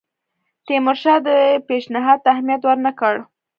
تیمورشاه دې پېشنهاد ته اهمیت ورنه کړ.